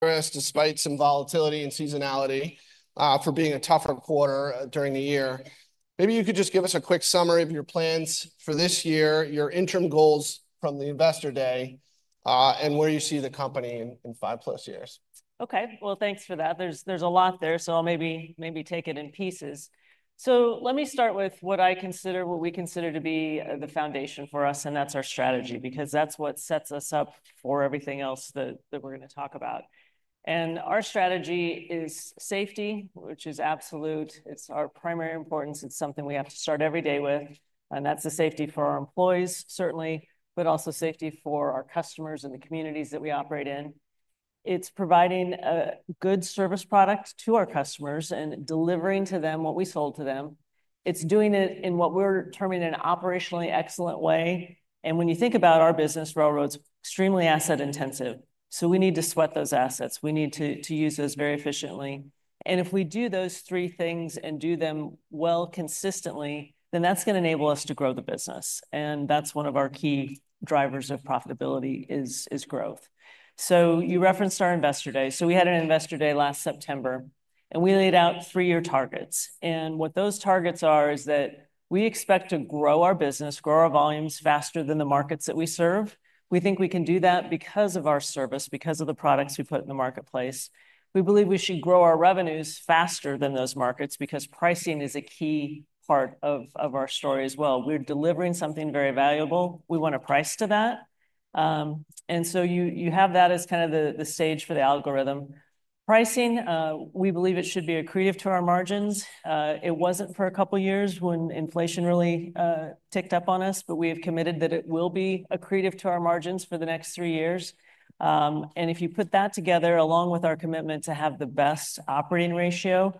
For us, despite some volatility and seasonality, for being a tougher quarter during the year. Maybe you could just give us a quick summary of your plans for this year, your interim goals from the Investor Day, and where you see the company in five plus years. Okay. Thanks for that. There's a lot there, so I'll maybe take it in pieces. Let me start with what I consider, what we consider to be the foundation for us, and that's our strategy, because that's what sets us up for everything else that we're going to talk about. Our strategy is safety, which is absolute. It's our primary importance. It's something we have to start every day with. That's the safety for our employees, certainly, but also safety for our customers and the communities that we operate in. It's providing a good service product to our customers and delivering to them what we sold to them. It's doing it in what we're terming an operationally excellent way. When you think about our business, railroads are extremely asset intensive. We need to sweat those assets. We need to use those very efficiently. If we do those three things and do them well consistently, then that's going to enable us to grow the business. That's one of our key drivers of profitability, is growth. You referenced our Investor Day. We had an Investor Day last September, and we laid out three-year targets. What those targets are is that we expect to grow our business, grow our volumes faster than the markets that we serve. We think we can do that because of our service, because of the products we put in the marketplace. We believe we should grow our revenues faster than those markets because pricing is a key part of our story as well. We're delivering something very valuable. We want to price to that. You have that as kind of the stage for the algorithm. Pricing, we believe it should be accretive to our margins. It was not for a couple of years when inflation really ticked up on us, but we have committed that it will be accretive to our margins for the next three years. If you put that together along with our commitment to have the best operating ratio,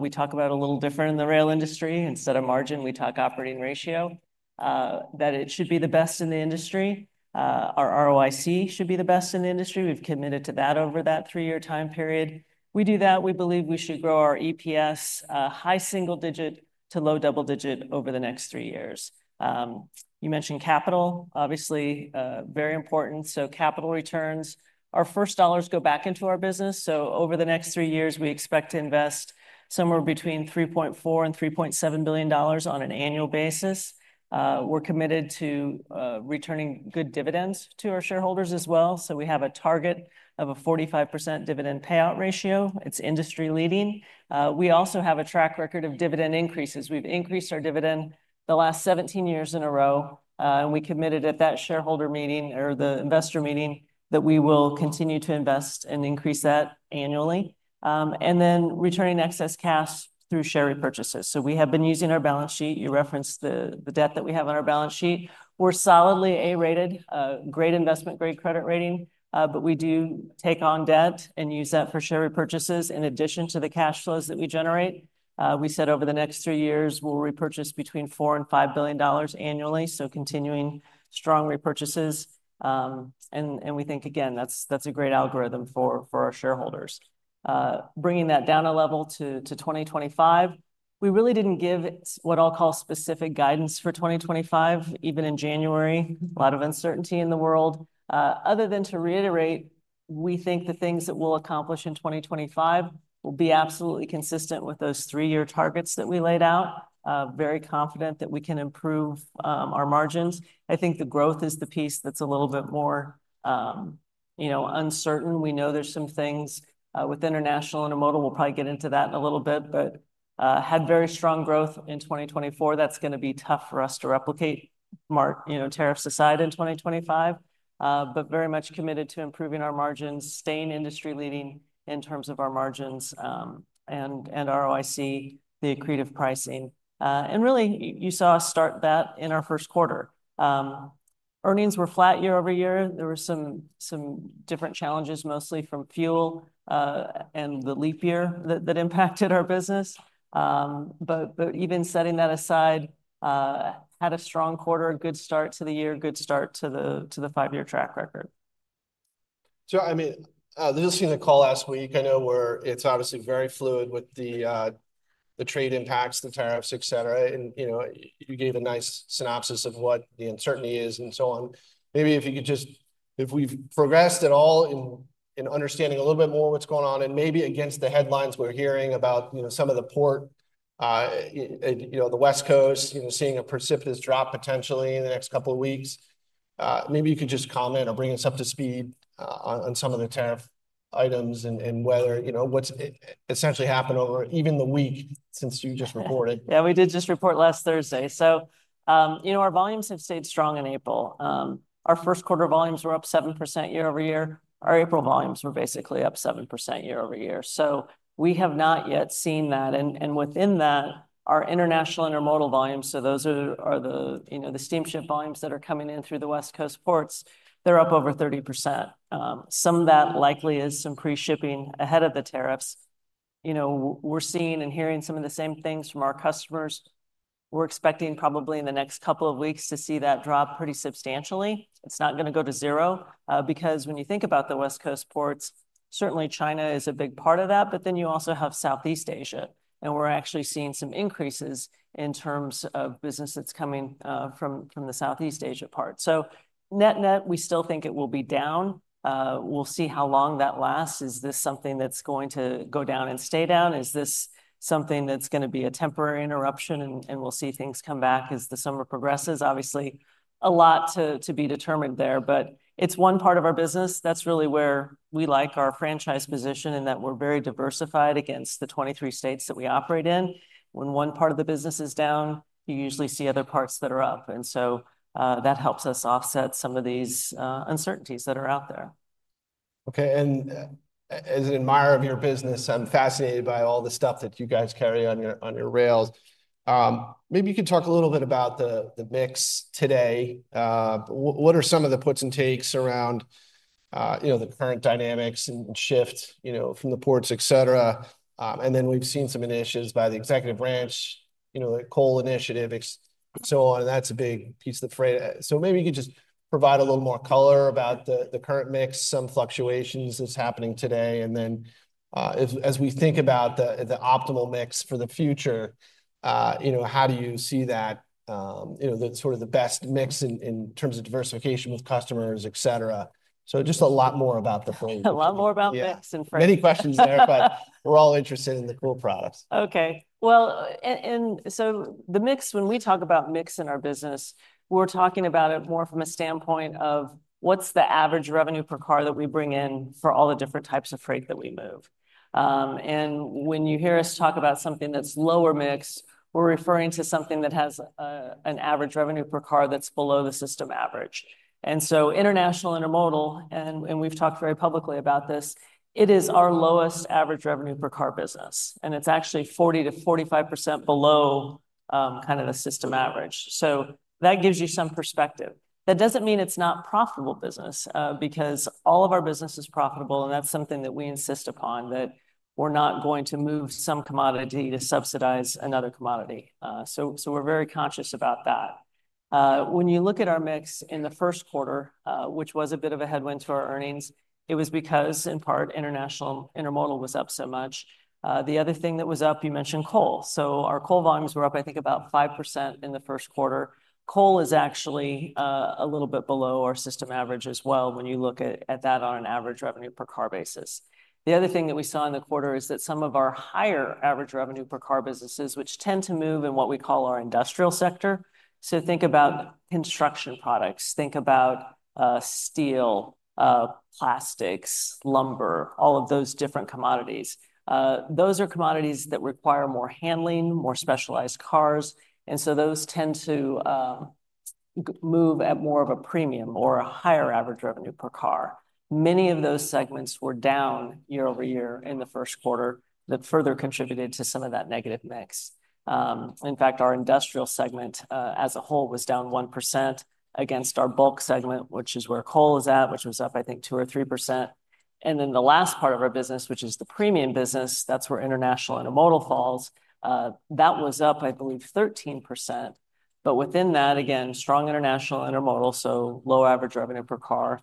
we talk about a little different in the rail industry. Instead of margin, we talk operating ratio, that it should be the best in the industry. Our ROIC should be the best in the industry. We have committed to that over that three-year time period. We do that. We believe we should grow our EPS high single digit to low double digit over the next three years. You mentioned capital, obviously very important. Capital returns, our first dollars go back into our business. Over the next three years, we expect to invest somewhere between $3.4 billion and $3.7 billion on an annual basis. We're committed to returning good dividends to our shareholders as well. We have a target of a 45% dividend payout ratio. It's industry leading. We also have a track record of dividend increases. We've increased our dividend the last 17 years in a row. We committed at that Shareholder Meeting or the Investor Meeting that we will continue to invest and increase that annually. Then returning excess cash through share repurchases. We have been using our balance sheet. You referenced the debt that we have on our balance sheet. We're solidly A-rated, investment-grade credit rating. We do take on debt and use that for share repurchases in addition to the cash flows that we generate. We said over the next three years, we'll repurchase between $4 billion and $5 billion annually. Continuing strong repurchases. We think, again, that's a great algorithm for our shareholders. Bringing that down a level to 2025. We really didn't give what I'll call specific guidance for 2025, even in January. A lot of uncertainty in the world. Other than to reiterate, we think the things that we'll accomplish in 2025 will be absolutely consistent with those three-year targets that we laid out. Very confident that we can improve our margins. I think the growth is the piece that's a little bit more uncertain. We know there's some things with international and intermodal. We'll probably get into that in a little bit, but had very strong growth in 2024. That's going to be tough for us to replicate, tariffs aside in 2025, but very much committed to improving our margins, staying industry leading in terms of our margins and ROIC, the accretive pricing. You saw us start that in our first quarter. Earnings were flat year over year. There were some different challenges, mostly from fuel and the leap year that impacted our business. Even setting that aside, had a strong quarter, a good start to the year, good start to the five-year track record. I mean, this was in the call last week. I know where it's obviously very fluid with the trade impacts, the tariffs, etc. You gave a nice synopsis of what the uncertainty is and so on. Maybe if you could just, if we've progressed at all in understanding a little bit more what's going on and maybe against the headlines we're hearing about some of the port, the West Coast, seeing a precipitous drop potentially in the next couple of weeks. Maybe you could just comment or bring us up to speed on some of the tariff items and whether what's essentially happened over even the week since you just reported. Yeah, we did just report last Thursday. Our volumes have stayed strong in April. Our first quarter volumes were up 7% year over year. Our April volumes were basically up 7% year over year. We have not yet seen that. Within that, our international and intermodal volumes, so those are the steamship volumes that are coming in through the West Coast ports, they're up over 30%. Some of that likely is some pre-shipping ahead of the tariffs. We're seeing and hearing some of the same things from our customers. We're expecting probably in the next couple of weeks to see that drop pretty substantially. It's not going to go to zero because when you think about the West Coast ports, certainly China is a big part of that, but then you also have Southeast Asia, and we're actually seeing some increases in terms of business that's coming from the Southeast Asia part. Net net, we still think it will be down. We'll see how long that lasts. Is this something that's going to go down and stay down? Is this something that's going to be a temporary interruption and we'll see things come back as the summer progresses? Obviously, a lot to be determined there, but it's one part of our business. That's really where we like our franchise position in that we're very diversified against the 23 states that we operate in. When one part of the business is down, you usually see other parts that are up. That helps us offset some of these uncertainties that are out there. Okay. As an admirer of your business, I'm fascinated by all the stuff that you guys carry on your rails. Maybe you could talk a little bit about the mix today. What are some of the puts and takes around the current dynamics and shifts from the ports, etc.? We've seen some initiatives by the executive branch, the coal initiative, and so on. That's a big piece of the freight. Maybe you could just provide a little more color about the current mix, some fluctuations that's happening today. As we think about the optimal mix for the future, how do you see that, sort of the best mix in terms of diversification with customers, etc.? Just a lot more about the. A lot more about mix and freight. Many questions there, but we're all interested in the coal products. Okay. The mix, when we talk about mix in our business, we're talking about it more from a standpoint of what's the average revenue per car that we bring in for all the different types of freight that we move. When you hear us talk about something that's lower mix, we're referring to something that has an average revenue per car that's below the system average. International and intermodal, and we've talked very publicly about this, it is our lowest average revenue per car business. It's actually 40%-45% below kind of the system average. That gives you some perspective. That doesn't mean it's not profitable business because all of our business is profitable, and that's something that we insist upon, that we're not going to move some commodity to subsidize another commodity. We're very conscious about that. When you look at our mix in the first quarter, which was a bit of a headwind to our earnings, it was because in part international and intermodal was up so much. The other thing that was up, you mentioned coal. Our coal volumes were up, I think, about 5% in the first quarter. Coal is actually a little bit below our system average as well when you look at that on an average revenue per car basis. The other thing that we saw in the quarter is that some of our higher average revenue per car businesses, which tend to move in what we call our industrial sector. Think about construction products. Think about steel, plastics, lumber, all of those different commodities. Those are commodities that require more handling, more specialized cars. Those tend to move at more of a premium or a higher average revenue per car. Many of those segments were down year over year in the first quarter. That further contributed to some of that negative mix. In fact, our industrial segment as a whole was down 1% against our bulk segment, which is where coal is at, which was up, I think, 2% or 3%. The last part of our business, which is the premium business, that's where international and intermodal falls. That was up, I believe, 13%. Within that, again, strong international and intermodal, so low average revenue per car.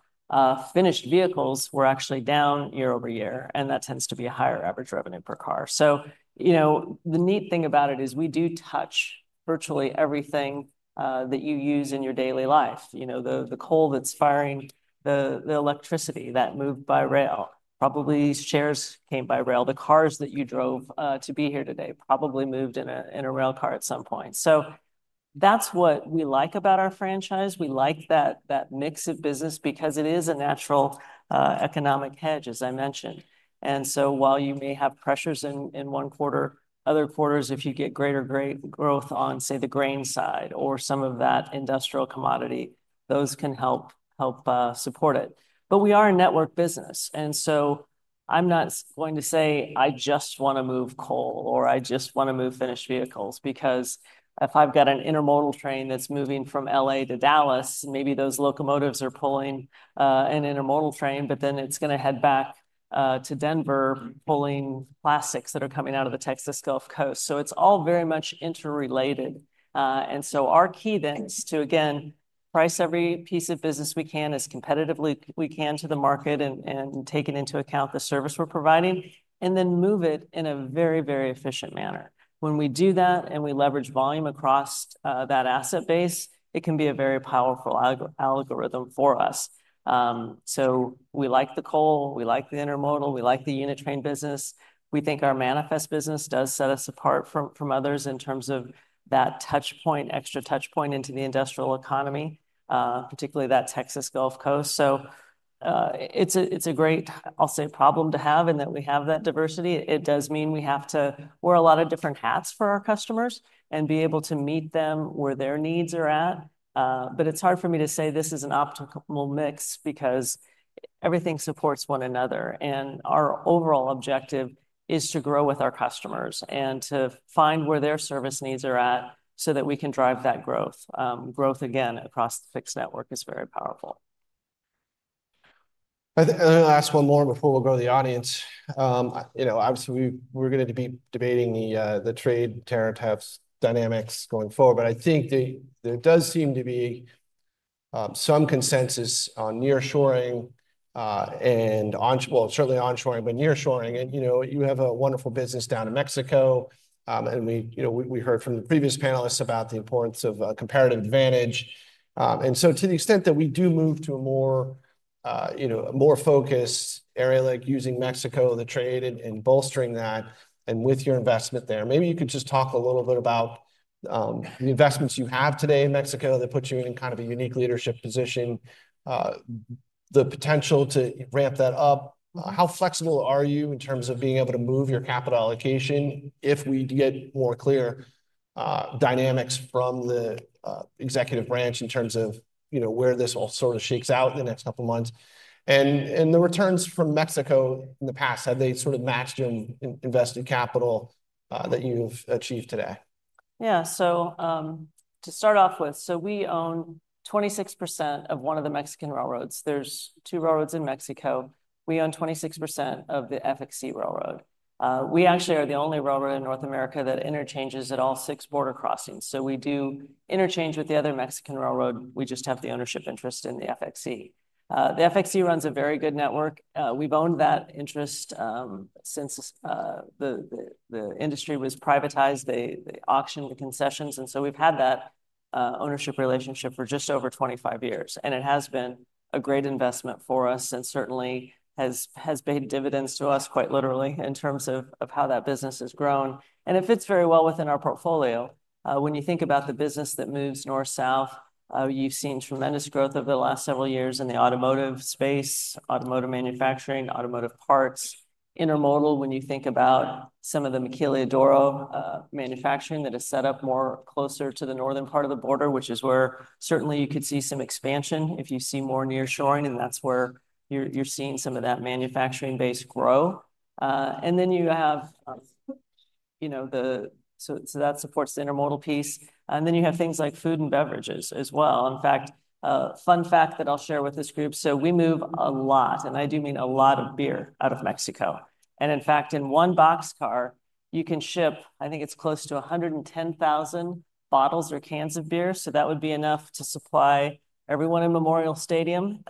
Finished vehicles were actually down year over year, and that tends to be a higher average revenue per car. The neat thing about it is we do touch virtually everything that you use in your daily life. The coal that's firing, the electricity that moved by rail, probably shares came by rail. The cars that you drove to be here today probably moved in a rail car at some point. That is what we like about our franchise. We like that mix of business because it is a natural economic hedge, as I mentioned. While you may have pressures in one quarter, other quarters, if you get greater growth on, say, the grain side or some of that industrial commodity, those can help support it. We are a network business. I'm not going to say I just want to move coal or I just want to move finished vehicles because if I've got an intermodal train that's moving from LA to Dallas, maybe those locomotives are pulling an intermodal train, but then it's going to head back to Denver pulling plastics that are coming out of the Texas Gulf Coast. It is all very much interrelated. Our key then is to, again, price every piece of business we can as competitively as we can to the market and take into account the service we're providing and then move it in a very, very efficient manner. When we do that and we leverage volume across that asset base, it can be a very powerful algorithm for us. We like the coal. We like the intermodal. We like the unit train business. We think our manifest business does set us apart from others in terms of that touchpoint, extra touchpoint into the industrial economy, particularly that Texas Gulf Coast. It is a great, I'll say, problem to have in that we have that diversity. It does mean we have to wear a lot of different hats for our customers and be able to meet them where their needs are at. It is hard for me to say this is an optimal mix because everything supports one another. Our overall objective is to grow with our customers and to find where their service needs are at so that we can drive that growth. Growth, again, across the fixed network is very powerful. Let me ask one more before we go to the audience. Obviously, we're going to be debating the trade tariff dynamics going forward, but I think there does seem to be some consensus on nearshoring and, well, certainly onshoring, but nearshoring. You have a wonderful business down in Mexico. We heard from the previous panelists about the importance of comparative advantage. To the extent that we do move to a more focused area like using Mexico, the trade and bolstering that and with your investment there, maybe you could just talk a little bit about the investments you have today in Mexico that put you in kind of a unique leadership position, the potential to ramp that up. How flexible are you in terms of being able to move your capital allocation if we get more clear dynamics from the executive branch in terms of where this all sort of shakes out in the next couple of months? The returns from Mexico in the past, have they sort of matched your invested capital that you've achieved today? Yeah. To start off with, we own 26% of one of the Mexican railroads. There are two railroads in Mexico. We own 26% of the FXE railroad. We actually are the only railroad in North America that interchanges at all six border crossings. We do interchange with the other Mexican railroad. We just have the ownership interest in the FXE. The FXE runs a very good network. We've owned that interest since the industry was privatized. They auctioned the concessions. We've had that ownership relationship for just over 25 years. It has been a great investment for us and certainly has paid dividends to us quite literally in terms of how that business has grown. It fits very well within our portfolio. When you think about the business that moves north-south, you've seen tremendous growth over the last several years in the automotive space, automotive manufacturing, automotive parts, intermodal. When you think about some of the maquiladora manufacturing that is set up more closer to the northern part of the border, which is where certainly you could see some expansion if you see more nearshoring. That is where you're seeing some of that manufacturing base grow. You have the, so that supports the intermodal piece. You have things like food and beverages as well. In fact, fun fact that I'll share with this group. We move a lot, and I do mean a lot of beer out of Mexico. In fact, in one boxcar, you can ship, I think it's close to 110,000 bottles or cans of beer. That would be enough to supply everyone in Memorial Stadium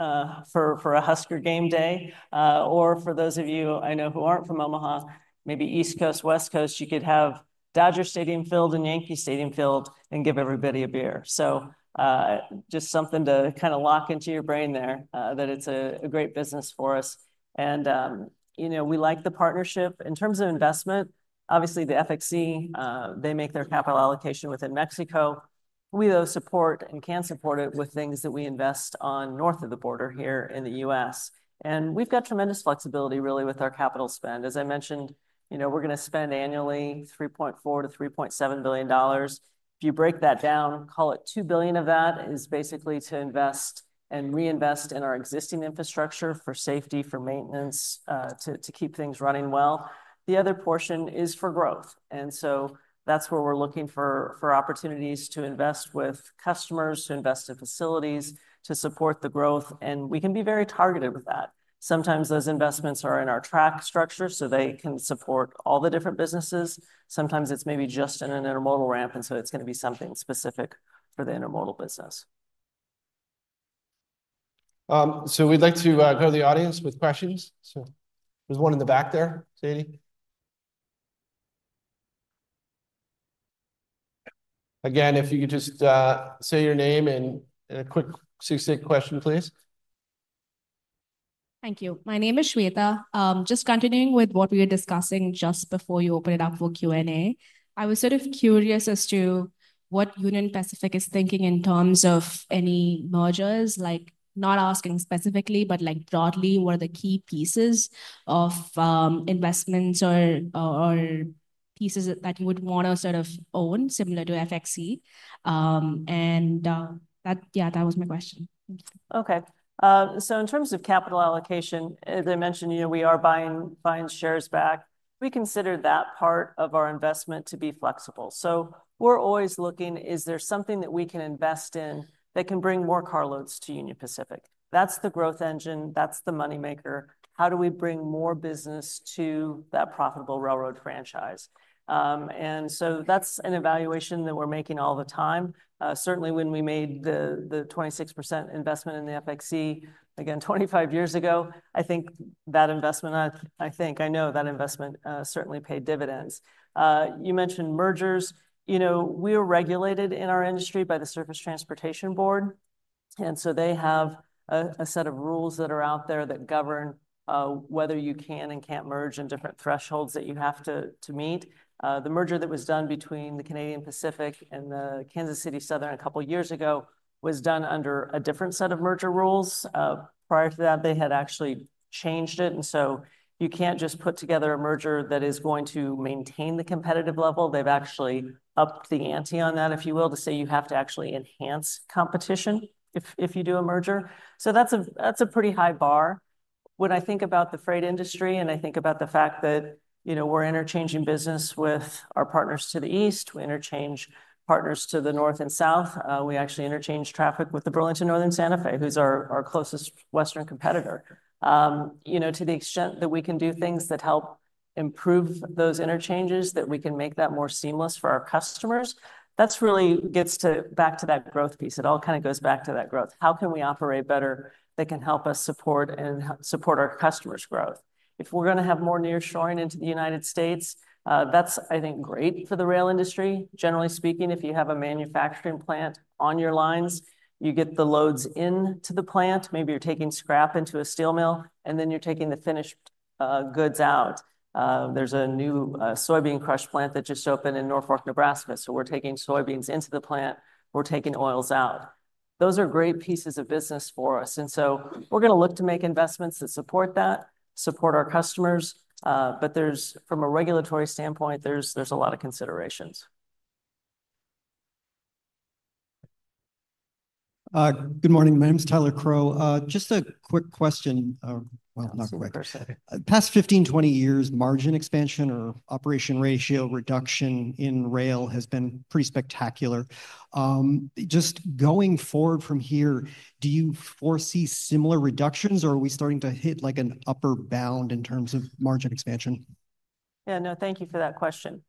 for a Husker game day. For those of you I know who aren't from Omaha, maybe East Coast, West Coast, you could have Dodger Stadium filled and Yankee Stadium filled and give everybody a beer. Just something to kind of lock into your brain there that it's a great business for us. We like the partnership. In terms of investment, obviously the FXE, they make their capital allocation within Mexico. We though support and can support it with things that we invest on north of the border here in the U.S. We've got tremendous flexibility really with our capital spend. As I mentioned, we're going to spend annually $3.4 billion-$3.7 billion. If you break that down, call it $2 billion of that is basically to invest and reinvest in our existing infrastructure for safety, for maintenance, to keep things running well. The other portion is for growth. That is where we are looking for opportunities to invest with customers, to invest in facilities, to support the growth. We can be very targeted with that. Sometimes those investments are in our track structure so they can support all the different businesses. Sometimes it is maybe just in an intermodal ramp, and it is going to be something specific for the intermodal business. We'd like to go to the audience with questions. There's one in the back there, Sadie. Again, if you could just say your name and a quick succinct question, please. Thank you. My name is Shwetha. Just continuing with what we were discussing just before you opened it up for Q&A, I was sort of curious as to what Union Pacific is thinking in terms of any mergers, like not asking specifically, but broadly, what are the key pieces of investments or pieces that you would want to sort of own similar to FXE? And yeah, that was my question. Okay. In terms of capital allocation, as I mentioned, we are buying shares back. We consider that part of our investment to be flexible. We are always looking, is there something that we can invest in that can bring more carloads to Union Pacific? That is the growth engine. That is the moneymaker. How do we bring more business to that profitable railroad franchise? That is an evaluation that we are making all the time. Certainly when we made the 26% investment in FXE, again, 25 years ago, I think that investment, I think I know that investment certainly paid dividends. You mentioned mergers. We are regulated in our industry by the Surface Transportation Board. They have a set of rules that are out there that govern whether you can and cannot merge and different thresholds that you have to meet. The merger that was done between the Canadian Pacific and the Kansas City Southern a couple of years ago was done under a different set of merger rules. Prior to that, they had actually changed it. You can't just put together a merger that is going to maintain the competitive level. They've actually upped the ante on that, if you will, to say you have to actually enhance competition if you do a merger. That is a pretty high bar. When I think about the freight industry and I think about the fact that we're interchanging business with our partners to the east, we interchange partners to the north and south. We actually interchange traffic with the Burlington Northern Santa Fe, who's our closest western competitor. To the extent that we can do things that help improve those interchanges, that we can make that more seamless for our customers, that really gets back to that growth piece. It all kind of goes back to that growth. How can we operate better that can help us support and support our customers' growth? If we're going to have more nearshoring into the United States, that's, I think, great for the rail industry. Generally speaking, if you have a manufacturing plant on your lines, you get the loads into the plant. Maybe you're taking scrap into a steel mill, and then you're taking the finished goods out. There is a new soybean crush plant that just opened in Norfolk, Nebraska. We are taking soybeans into the plant. We are taking oils out. Those are great pieces of business for us. We are going to look to make investments that support that, support our customers. From a regulatory standpoint, there is a lot of considerations. Good morning. My name's Tyler Crowe. Just a quick question. Well, not quick. Past 15, 20 years, margin expansion or operating ratio reduction in rail has been pretty spectacular. Just going forward from here, do you foresee similar reductions, or are we starting to hit like an upper bound in terms of margin expansion? Yeah, no, thank you for that question.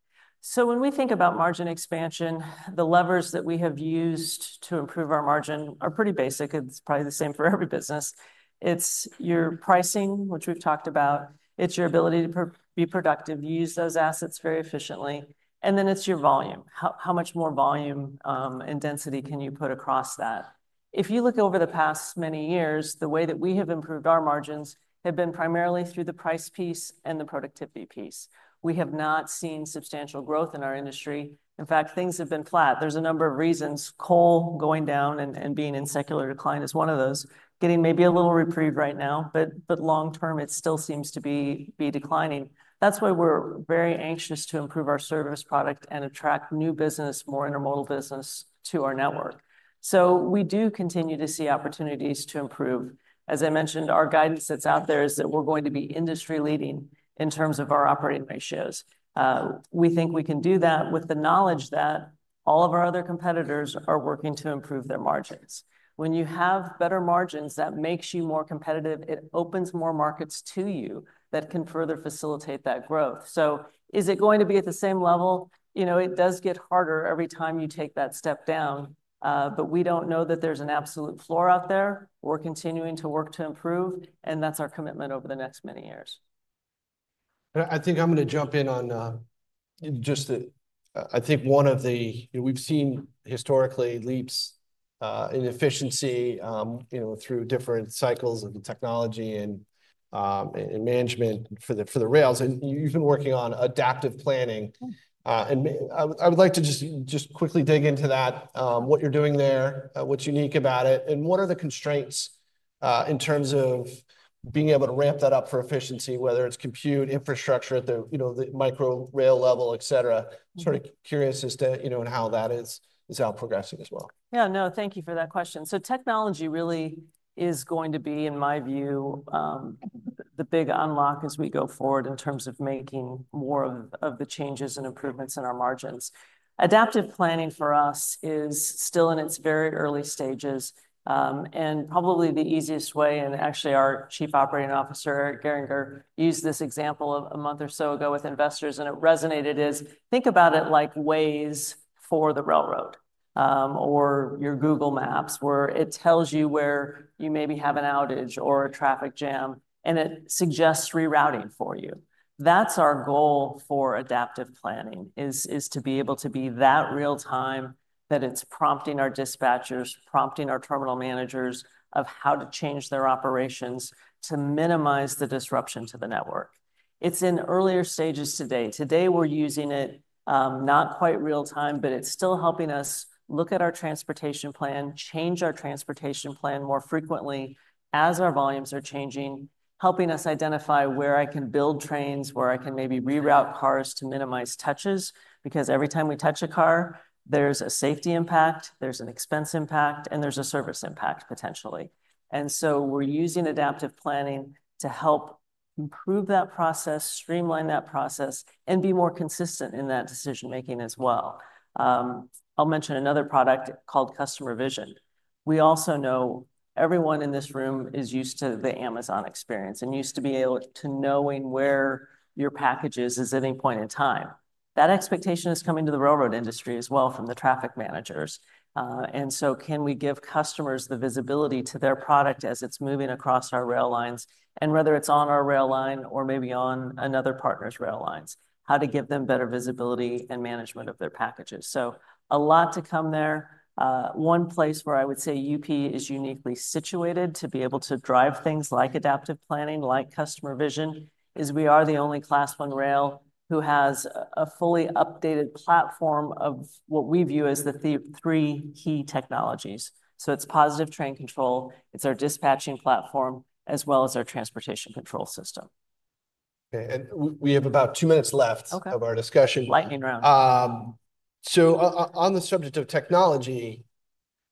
When we think about margin expansion, the levers that we have used to improve our margin are pretty basic. It's probably the same for every business. It's your pricing, which we've talked about. It's your ability to be productive, use those assets very efficiently. Then it's your volume. How much more volume and density can you put across that? If you look over the past many years, the way that we have improved our margins has been primarily through the price piece and the productivity piece. We have not seen substantial growth in our industry. In fact, things have been flat. There are a number of reasons. Coal going down and being in secular decline is one of those. Getting maybe a little reprieve right now, but long term, it still seems to be declining. That's why we're very anxious to improve our service product and attract new business, more intermodal business to our network. We do continue to see opportunities to improve. As I mentioned, our guidance that's out there is that we're going to be industry leading in terms of our operating ratios. We think we can do that with the knowledge that all of our other competitors are working to improve their margins. When you have better margins, that makes you more competitive. It opens more markets to you that can further facilitate that growth. Is it going to be at the same level? It does get harder every time you take that step down, but we don't know that there's an absolute floor out there. We're continuing to work to improve, and that's our commitment over the next many years. I think I'm going to jump in on just the, I think one of the, we've seen historically leaps in efficiency through different cycles of the technology and management for the rails. You've been working on Adaptive Planning. I would like to just quickly dig into that, what you're doing there, what's unique about it, and what are the constraints in terms of being able to ramp that up for efficiency, whether it's compute, infrastructure at the micro rail level, et cetera. Sort of curious as to how that is progressing as well. Yeah, no, thank you for that question. Technology really is going to be, in my view, the big unlock as we go forward in terms of making more of the changes and improvements in our margins. Adaptive Planning for us is still in its very early stages. Probably the easiest way, and actually our Chief Operating Officer, Gehringer, used this example a month or so ago with investors, and it resonated as think about it like Waze for the railroad or your Google Maps where it tells you where you maybe have an outage or a traffic jam, and it suggests rerouting for you. That is our goal for Adaptive Planning, to be able to be that real-time that it is prompting our dispatchers, prompting our terminal managers of how to change their operations to minimize the disruption to the network. It is in earlier stages today. Today we're using it, not quite real-time, but it's still helping us look at our transportation plan, change our transportation plan more frequently as our volumes are changing, helping us identify where I can build trains, where I can maybe reroute cars to minimize touches, because every time we touch a car, there's a safety impact, there's an expense impact, and there's a service impact potentially. We are using Adaptive Planning to help improve that process, streamline that process, and be more consistent in that decision-making as well. I'll mention another product called Customer Vision. We also know everyone in this room is used to the Amazon experience and used to be able to knowing where your package is at any point in time. That expectation is coming to the railroad industry as well from the traffic managers. Can we give customers the visibility to their product as it's moving across our rail lines and whether it's on our rail line or maybe on another partner's rail lines, how to give them better visibility and management of their packages. A lot to come there. One place where I would say UP is uniquely situated to be able to drive things like Adaptive Planning, like Customer Vision, is we are the only Class I rail who has a fully updated platform of what we view as the three key technologies. It is Positive Train Control. It is our dispatching platform as well as our transportation control system. Okay. We have about two minutes left of our discussion. Lightning round. On the subject of technology,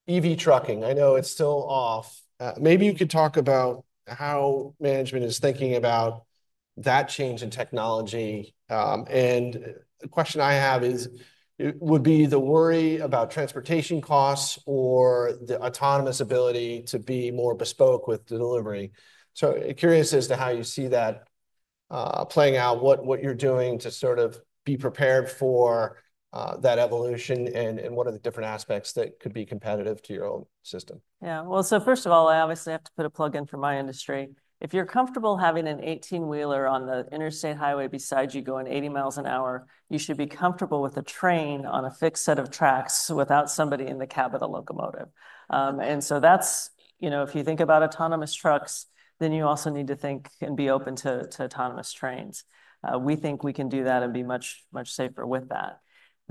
EV trucking, I know it's still off. Maybe you could talk about how management is thinking about that change in technology. The question I have would be the worry about transportation costs or the autonomous ability to be more bespoke with delivery. Curious as to how you see that playing out, what you're doing to sort of be prepared for that evolution and what are the different aspects that could be competitive to your own system. Yeah. First of all, I obviously have to put a plug in for my industry. If you're comfortable having an 18-wheeler on the interstate highway beside you going 80 miles an hour, you should be comfortable with a train on a fixed set of tracks without somebody in the cab of the locomotive. If you think about autonomous trucks, then you also need to think and be open to autonomous trains. We think we can do that and be much safer with that.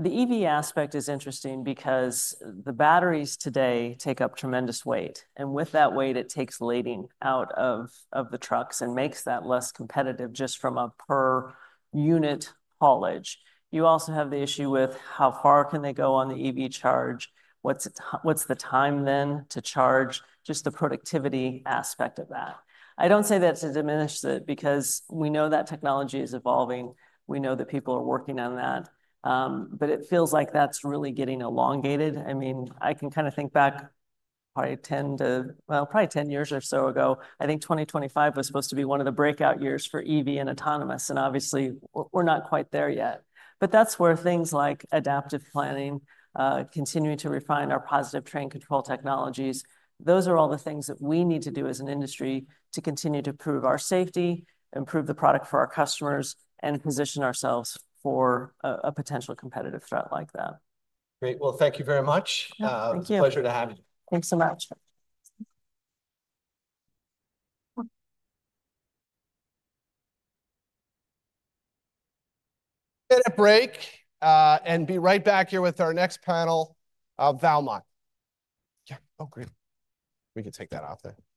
The EV aspect is interesting because the batteries today take up tremendous weight. With that weight, it takes lading out of the trucks and makes that less competitive just from a per unit haulage. You also have the issue with how far can they go on the EV charge? What's the time then to charge? Just the productivity aspect of that. I don't say that to diminish it because we know that technology is evolving. We know that people are working on that. It feels like that's really getting elongated. I mean, I can kind of think back probably 10 to, well, probably 10 years or so ago. I think 2025 was supposed to be one of the breakout years for EV and autonomous. Obviously, we're not quite there yet. That's where things like Adaptive Planning, continuing to refine our Positive Train Control technologies, those are all the things that we need to do as an industry to continue to prove our safety, improve the product for our customers, and position ourselves for a potential competitive threat like that. Great. Thank you very much. Thank you. Pleasure to have you. Thanks so much. Get a break and be right back here with our next panel, Valmont. Yeah, oh great. We can take that off there.